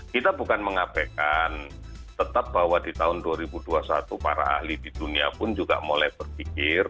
kita bukan mengapekkan tetap bahwa di tahun dua ribu dua puluh satu para ahli di dunia pun juga mulai berpikir